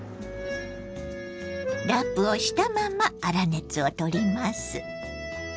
ラップをしたまま粗熱を取ります。